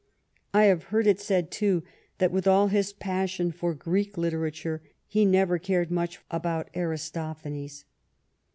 I have heard it said, too, that with all his passion for Greek literature, he never cared much about Aristophanes.